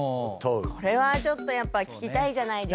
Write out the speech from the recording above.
これはちょっとやっぱ聞きたいじゃないですか。